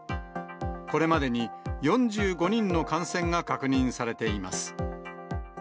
これまでに４５人の感染が確認されています。